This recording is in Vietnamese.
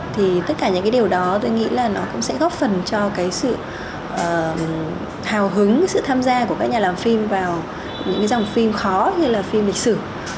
tất cả những điều đó tôi nghĩ sẽ góp phần cho sự hào hứng sự tham gia của các nhà làm phim vào những dòng phim khó như là phim lịch sử